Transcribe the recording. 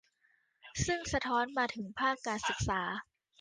ซึ่งสะท้อนมาถึงภาคการศึกษา